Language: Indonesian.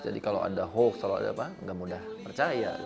jadi kalau ada hoax tidak mudah percaya